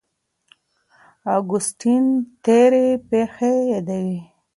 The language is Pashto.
اګوستين تېرې پېښې يادوي.